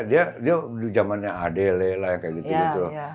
dia udah di zamannya adele lah kayak gitu